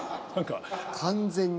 完全に。